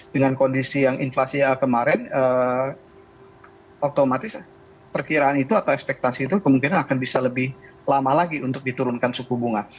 dengan kondisi yang inflasi kemarin otomatis perkiraan itu atau ekspektasi itu kemungkinan akan bisa lebih lama lagi untuk diturunkan suku bunga